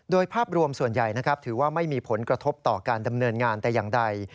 โดยภาพรวมส่วนใหญ่นะครับถือว่าไม่มีผลกระทบต่อการดำเนินงานแต่อย่างใด